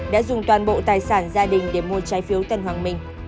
đã dùng toàn bộ tài sản gia đình để mua trái phiếu tân hoàng minh